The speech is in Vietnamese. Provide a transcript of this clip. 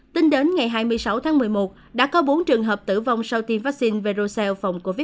tính đến ngày hai mươi sáu tháng một mươi một đã có bốn trường hợp tử vong sau tiêm vaccine vocel phòng covid một mươi chín